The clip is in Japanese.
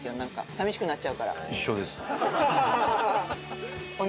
寂しくなっちゃうから。